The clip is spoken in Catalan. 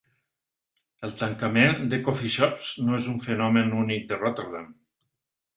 El tancament de "coffeeshops" no és un fenomen únic de Rotterdam.